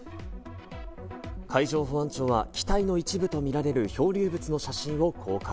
海上保安庁は機体の一部とみられる漂流物の写真を公開。